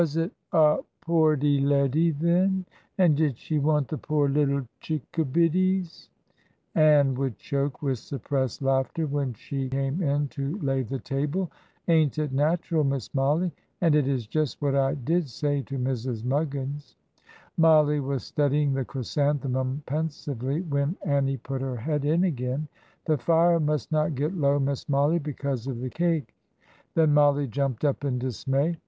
"Was it a poorty leddy, then, and did she want the poor little chickabiddies?" Ann would choke with suppressed laughter when she came in to lay the table. "Ain't it natural, Miss Mollie? and it is just what I did say to Mrs. Muggins." Mollie was studying the chrysanthemum pensively when Annie put her head in again. "The fire must not get low, Miss Mollie, because of the cake." Then Mollie jumped up in dismay.